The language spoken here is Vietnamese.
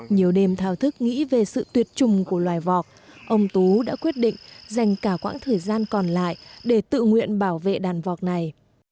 nhiều đêm thao thức nghĩ về sự tuyệt chủng của loài vọc ông tú đã quyết định dành cả quãng thời gian còn lại để tự nguyện bảo vệ đàn vọc này